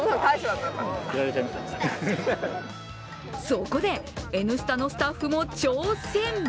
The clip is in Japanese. そこで、「Ｎスタ」のスタッフも挑戦。